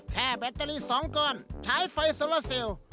แบตเตอรี่๒ก้อนใช้ไฟโซลาเซล